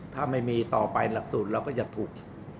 ถ้าไม่มีต่อไปหลักสูตรเราก็จะถูก